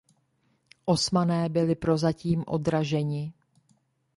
Osmané byli prozatím odraženi.